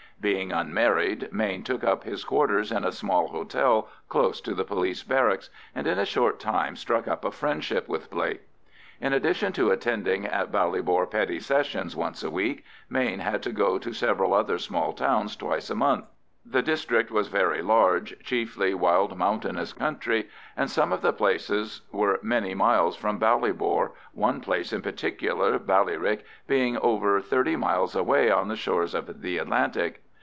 Being unmarried, Mayne took up his quarters in a small hotel close to the police barracks, and in a short time struck up a friendship with Blake. In addition to attending at Ballybor Petty Sessions once a week, Mayne had to go to several other small towns twice a month. The district was very large, chiefly wild mountainous country, and some of the places were many miles from Ballybor, one place in particular, Ballyrick, being over thirty miles away on the shores of the Atlantic.